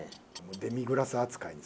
デミグラス扱いに。